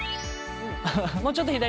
もうちょっと左。